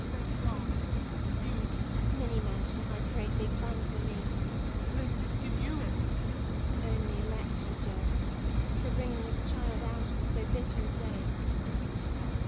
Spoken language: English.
Thank God! And you? MARY. Minnie managed to hide a great big bun for me. JOE. The lady didn't give you anything? MARY. Only a lecture, Joe, for bringing the child out on so bitter a day.